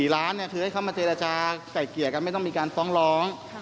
ล้านคือให้เขามาเจรจาไก่เกลี่ยกันไม่ต้องมีการฟ้องร้อง